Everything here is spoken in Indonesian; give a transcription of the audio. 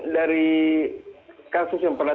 dari kasus yang pernah